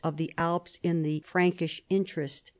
71 of the Alps in the Frankish interest.